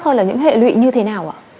đó là những hệ lụy như thế nào ạ